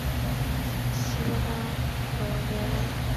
锡达尔维尔是一个位于美国阿肯色州克劳福德县的城市。